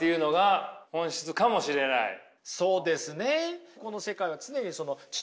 そうですね。